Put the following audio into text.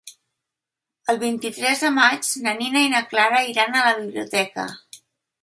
El vint-i-tres de maig na Nina i na Clara iran a la biblioteca.